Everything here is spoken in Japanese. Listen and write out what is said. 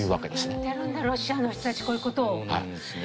やってるんだロシアの人たちこういう事を。